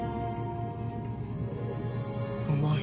うまい。